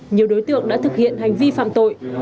nhiều đối tượng đã thực hiện hành vi phạm tội